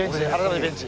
ベンチ。